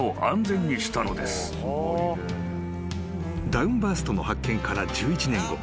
［ダウンバーストの発見から１１年後］